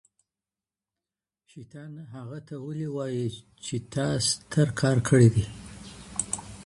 شيطان هغه ته ولي وايي چي تا ستر کار کړی دی؟